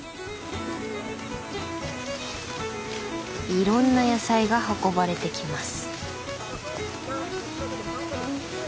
いろんな野菜が運ばれてきます。